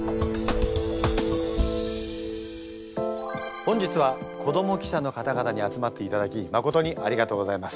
本日は子ども記者の方々に集まっていただきまことにありがとうございます。